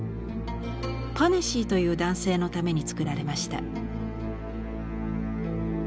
パネシィという男性のために作られました。